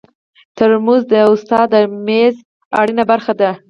ترموز د استاد د میز اړینه برخه ده.